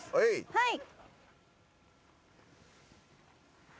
はい。